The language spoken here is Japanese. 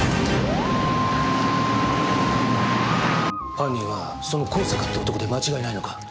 犯人はその香坂って男で間違いないのか？